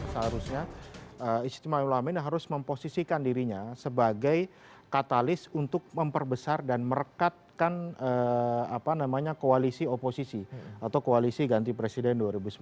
seharusnya istimewa ulama ini harus memposisikan dirinya sebagai katalis untuk memperbesar dan merekatkan koalisi oposisi atau koalisi ganti presiden dua ribu sembilan belas